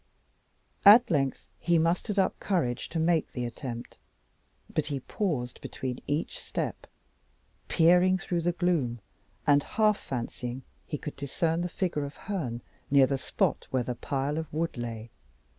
At length he mustered up courage to make the attempt; but he paused between each step, peering through the gloom, and half fancying he could discern the figure of Herne near the spot where the pile of wood lay.